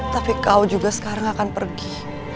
tapi kau juga sekarang akan pergi